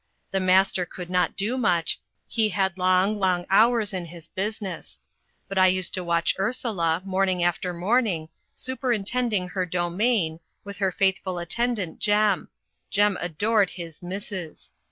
The master could not do much; he had long, long hours in his business; but I used to watch Ursula, morning after morning, superintending her domain, with her faithful attendant Jem Jem adored his "missis."